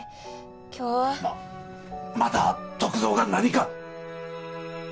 今日はあッまた篤蔵が何か？